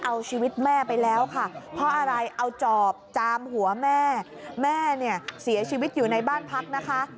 เอาชีวิตแม่ไปแล้วค่ะเพราะอะไรเอาจอบจามหัวแม่แม่เนี่ยเสียชีวิตอยู่ในบ้านพักนะคะ